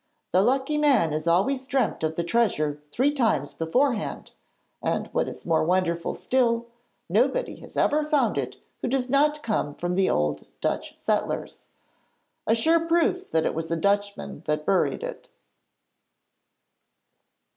The lucky man has always dreamt of the treasure three times beforehand, and, what is more wonderful still, nobody has ever found it who does not come from the old Dutch settlers a sure proof that it was a Dutchman that buried it.'